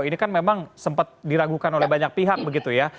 ini kan memang sempat diragukan oleh banyak pihak begitu ya